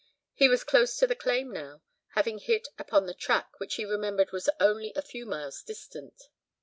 He was close to the claim now, having hit upon the track, which he remembered was only a few miles distant.